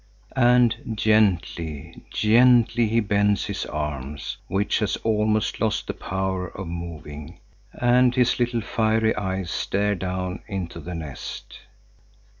And gently, gently he bends his arm, which has almost lost the power of moving, and his little fiery eyes stare down into the nest.